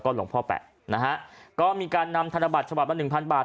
หลวงพ่อแปะนะฮะก็มีการนำธนบัตรฉบับละหนึ่งพันบาท